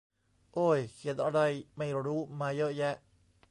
โอ้ย เขียนอะไรไม่รู้มาเยอะแยะ